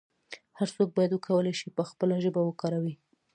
هر څوک باید وکولای شي خپله ژبه وکاروي.